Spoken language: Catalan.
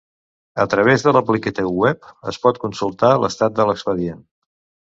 A través de l'aplicatiu web es pot consultar l'estat de l'expedient.